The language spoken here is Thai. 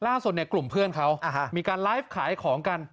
ล่าสุดเนี่ยกลุ่มเพื่อนเขามีการไลฟ์ขายของกัน